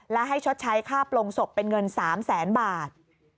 และให้ชดใช้ค่าโปรงศพเป็นเงิน๓แสนบาท